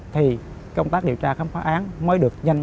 thì công tác điều tra khám phá án mới được nhanh